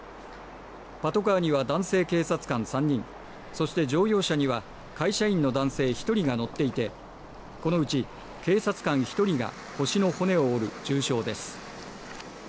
パトカーには男性警察官３人そして乗用車には会社員の男性１人が乗っていてこのうち警察官１人が腰の骨を折る重傷です。